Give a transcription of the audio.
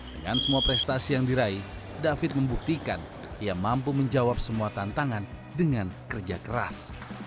dengan semua prestasi yang diraih david membuktikan ia mampu menjawab semua tantangan dengan kerja keras